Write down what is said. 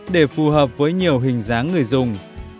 để phù hợp với nhiều hình dáng người dùng